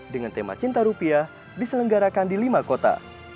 dengan tema cinta rupiah diselenggarakan di lima kota